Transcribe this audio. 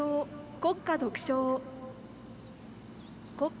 国歌独唱。